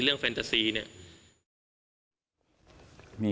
เรื่องแฟนตาซี